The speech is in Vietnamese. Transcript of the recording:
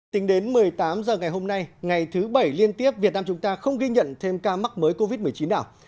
tính đến một mươi tám h ngày hôm nay ngày thứ bảy liên tiếp việt nam chúng ta không ghi nhận thêm ca mắc mới covid một mươi chín nào